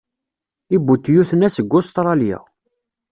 Ibutyuten-a seg Ustṛalya.